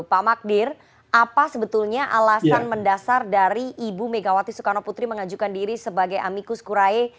pak magdir apa sebetulnya alasan mendasar dari ibu megawati soekarno putri mengajukan diri sebagai amikus kurae